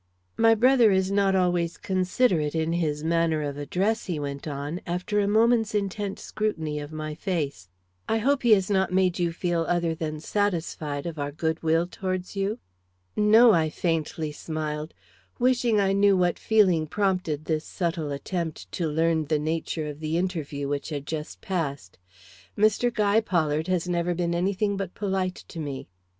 "My brother is not always considerate in his manner of address," he went on, after a moment's intent scrutiny of my face. "I hope he has not made you feel other than satisfied of our good will towards you?" "No," I faintly smiled, wishing I knew what feeling prompted this subtle attempt to learn the nature of the interview which had just passed. "Mr. Guy Pollard has never been any thing but polite to me."